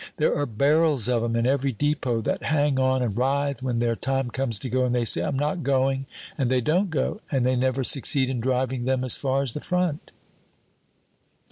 There are barrels of 'em in every depot, that hang on and writhe when their time comes to go, and they say, 'I'm not going,' and they don't go, and they never succeed in driving them as far as the front."